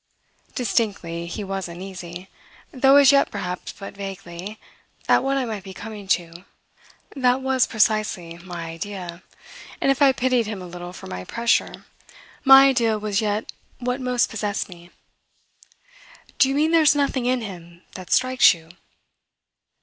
Distinctly, he was uneasy though as yet perhaps but vaguely at what I might be coming to. That was precisely my idea, and if I pitied him a little for my pressure my idea was yet what most possessed me. "Do you mean there's nothing in him that strikes you?"